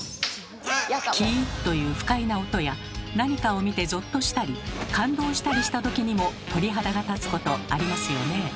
「キー」という不快な音や何かを見てゾッとしたり感動したりした時にも鳥肌が立つことありますよね？